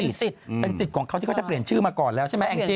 สิทธิ์เป็นสิทธิ์ของเขาที่เขาจะเปลี่ยนชื่อมาก่อนแล้วใช่ไหมแองจี